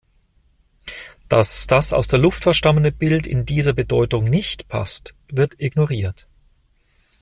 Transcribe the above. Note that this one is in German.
Dass das aus der Luftfahrt stammende Bild in dieser Bedeutung nicht passt, wird ignoriert.